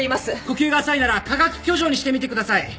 呼吸が浅いなら下顎挙上にしてみてください。